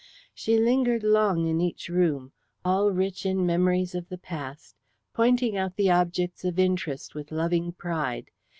She lingered long in each room, all rich in memories of the past, pointing out the objects of interest with loving pride.